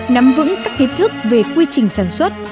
nắm vững các kiến thức về quy trình sản xuất